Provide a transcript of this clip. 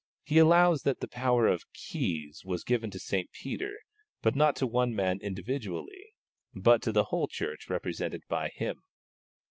He allows that the power of keys was given to St. Peter, but not to one man individually, but to the whole Church represented by him.